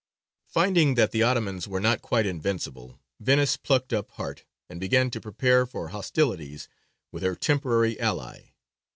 Finding that the Ottomans were not quite invincible, Venice plucked up heart, and began to prepare for hostilities with her temporary ally.